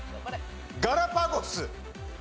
ガラパゴス。